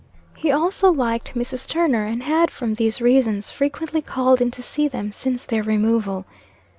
He also liked Mrs. Turner, and had from these reasons, frequently called in to see them since their removal.